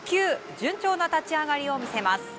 順調な立ち上がりを見せます。